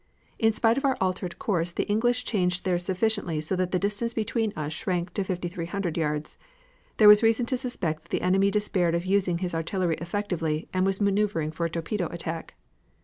In spite of our altered course the English changed theirs sufficiently so that the distance between us shrunk to 5,300 yards. There was reason to suspect that the enemy despaired of using his artillery effectively, and was maneuvering for a torpedo attack.